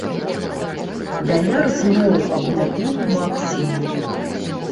Даляр зноў абнавіў максімум.